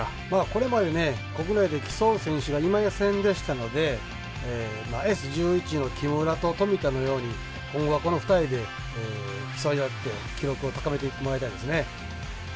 これまで国内で競う選手がいませんでしたのでＳ１１の木村と富田のように今後は、この２人で競い合って記録を高めていってもらいたいですね。